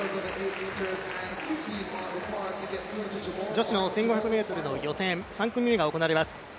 女子の１５００ｍの予選３組目が行われます。